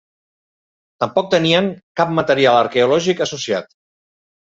Tampoc tenien cap material arqueològic associat.